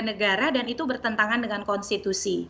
negara dan itu bertentangan dengan konstitusi